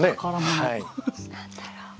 何だろう。